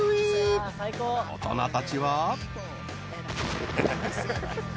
［大人たちは］